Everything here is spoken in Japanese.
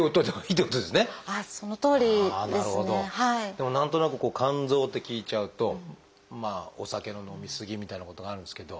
でも何となく「肝臓」って聞いちゃうとお酒の飲み過ぎみたいなことがあるんですけど。